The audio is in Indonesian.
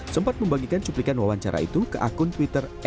sempat membagikan cuplikan wawancara itu ke akun twitter